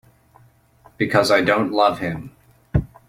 Because I don't love him.